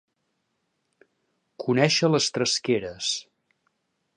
Conèixer les tresqueres.